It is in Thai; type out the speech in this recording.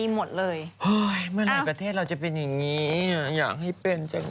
หมดเลยเฮ้ยเมื่อไหร่ประเทศเราจะเป็นอย่างนี้อยากให้เป็นจัง